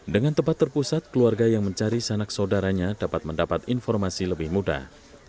dengan tempat terpusat keluarga yang mencari sanak saudaranya dapat mendapat informasi lebih mudah